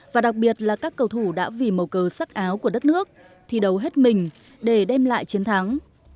và đặc biệt là các cầu thủ đã vì màu cờ sắc áo của đất nước thi đấu hết mình để đem lại chiến thắng